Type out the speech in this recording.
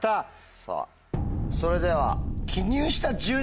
さぁそれでは。